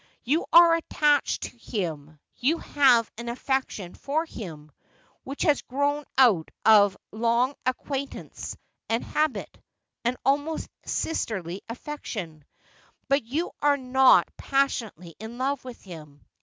You are attached to him ; you have an affection for him, which has grown out of long acquaintance and habit — an almost sisterly affection ; but you are not pas sionately in love with him.